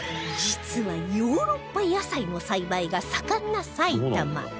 実はヨーロッパ野菜の栽培が盛んな埼玉